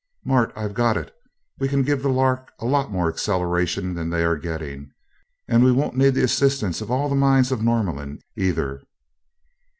"Mart, I've got it! We can give the Lark a lot more acceleration than they are getting and won't need the assistance of all the minds of Norlamin, either."